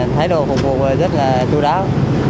thái độ phục vụ rất là chú đáo